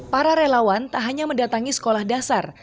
para relawan tak hanya mendatangi sekolah dasar